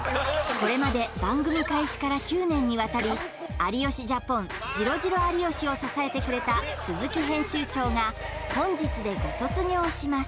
これまで番組開始から９年にわたり「有吉ジャポン」「ジロジロ有吉」を支えてくれた鈴木編集長が本日でご卒業します